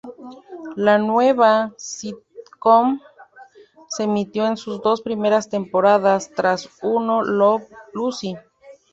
La nueva sitcom se emitió en sus dos primeras temporadas tras "I Love Lucy".